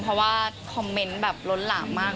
เพราะว่าคอมเมนต์แบบล้นหลามมาก